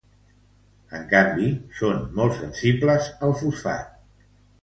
En canvi, són molt sensibles al fosfat.